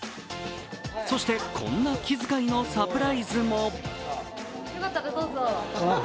そしてこんな気遣いのサプライズも。